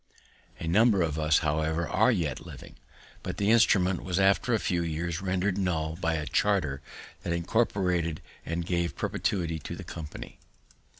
A number of us, however, are yet living; but the instrument was after a few years rendered null by a charter that incorporated and gave perpetuity to the company.